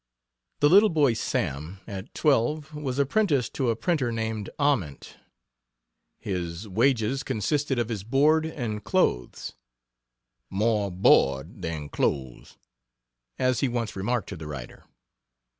The little boy Sam, at twelve, was apprenticed to a printer named Ament. His wages consisted of his board and clothes "more board than clothes," as he once remarked to the writer.